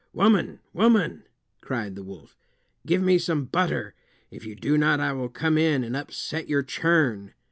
"Woman, woman," cried the wolf, "give me some butter. If you do not I will come in and upset your churn."